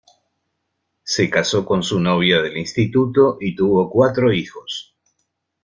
Se casó con su novia del instituto y tuvo cuatro hijos.